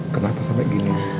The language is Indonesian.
kenapa sampai gini